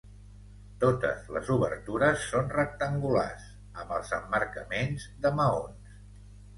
Totes les obertures són rectangulars, amb els emmarcaments de maons.